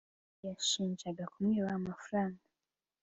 yanshinjaga kumwiba amafaranga